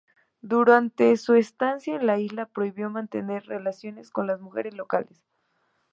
Durante su estancia en la isla prohibió mantener relaciones con las mujeres locales.